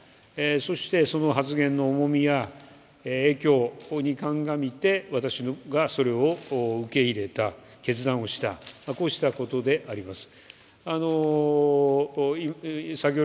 そして、その発言の重みや影響に鑑みて私がそれを受け入れた決断をした、こうしたことであります。